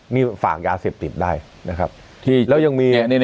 นี่ฝากยาเสพติดได้นะครับที่แล้วยังมี